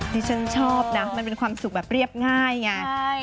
ที่ฉันชอบนะมันเป็นความสุขแบบเรียบง่ายไง